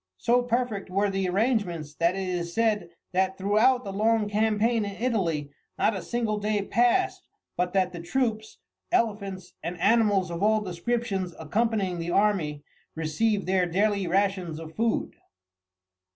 So perfect were the arrangements that it is said that throughout the long campaign in Italy not a single day passed but that the troops, elephants, and animals of all descriptions accompanying the army received their daily rations of food.